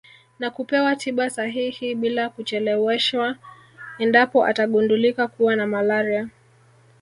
Na kupewa tiba sahihi bila kucheleweshwa endapo atagundulika kuwa na malaria